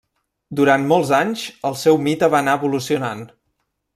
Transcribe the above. Durant molts anys, el seu mite va anar evolucionant.